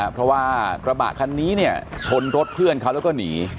เพราะว่ากระบะคันนี้เนี่ยชนรถเพื่อนเขาแล้วก็หนี